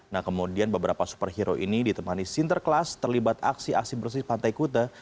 nah kemudian beberapa superhero ini ditemani sinter kelas terlibat aksi aksi bersih pantai kuta